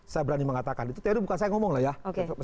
saya berani mengatakan itu teori bukan saya ngomong lah ya